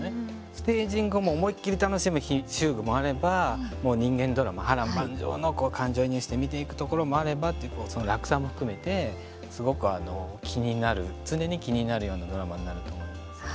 ステージングも思いっきり楽しむ日、週もあればもう人間ドラマ、波乱万丈の感情移入して見ていくところもあればって、その落差も含めてすごく気になる常に気になるようなドラマになると思います。